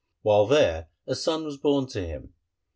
While there a son was born to him.